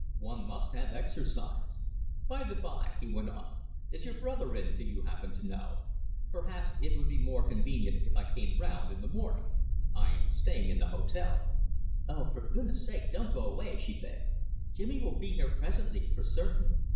"One must have exercise. By the bye," he went on, "is your brother in, do you happen to know? Perhaps it would be more convenient if I came round in the morning? I am staying in the hotel." "Oh, for goodness sake, don't go away," she begged. "Jimmy will be here presently, for certain.